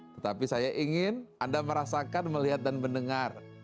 tetapi saya ingin anda merasakan melihat dan mendengar